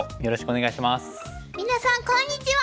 皆さんこんにちは！